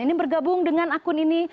ini bergabung dengan akun ini